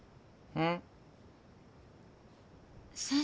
うん？